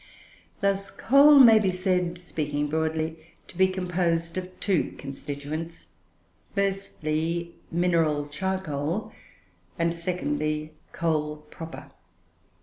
Thus coal may be said, speaking broadly, to be composed of two constituents: firstly, mineral charcoal; and, secondly, coal proper.